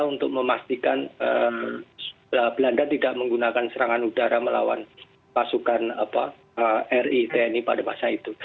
untuk memastikan belanda tidak menggunakan serangan udara melawan pasukan ri tni pada masa itu